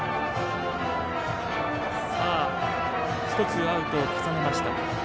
１つアウトを重ねました。